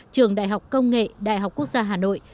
trường đại học công nghệ đại học quốc gia hà nội